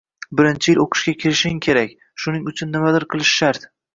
Birinchi yil o`qishga kirishing kerak, shuning uchun nimadir qilish shart